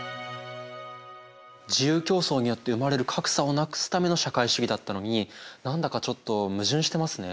自由競争によって生まれる格差をなくすための社会主義だったのに何だかちょっと矛盾してますね。